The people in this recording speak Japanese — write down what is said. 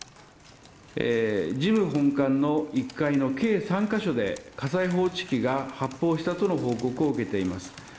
事務本館の１階の計３ヶ所で火災報知器が発報したとの報告を受けています